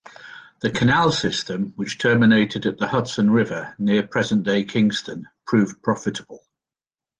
The canal system which terminated at the Hudson River near present-day Kingston, proved profitable.